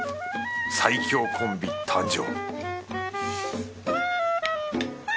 最強コンビ誕生